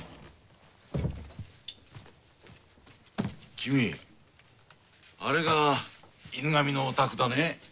君あれが犬神のお宅だね？